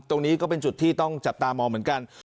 ตรงนี้ก็เป็นจุดที่ต้องจับตามองเหมือนกัน